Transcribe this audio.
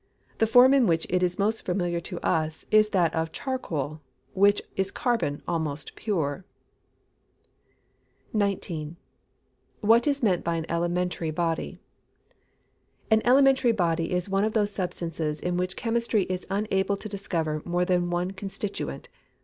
The form in which it is most familiar to us is that of charcoal, which is carbon almost pure. 19. What is meant by an elementary body? An elementary body is one of those substances in which chemistry is unable to discover more than one constituent.